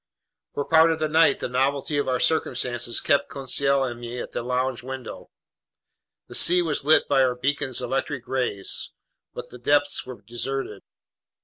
For part of the night, the novelty of our circumstances kept Conseil and me at the lounge window. The sea was lit by our beacon's electric rays. But the depths were deserted.